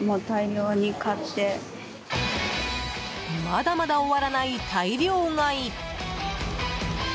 まだまだ終わらない大量買い。